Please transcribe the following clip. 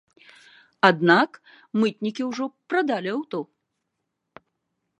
Аднак мытнікі ўжо прадалі аўто.